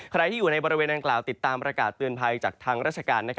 ใครที่อยู่ในบริเวณดังกล่าวติดตามประกาศเตือนภัยจากทางราชการ